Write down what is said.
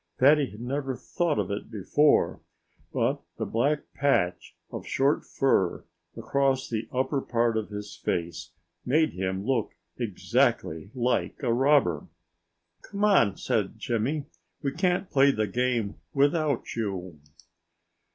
Fatty had never thought of it before, but the black patch of short fur across the upper part of his face made him look exactly like a robber. "Come on!" said Jimmy. "We can't play the game without you."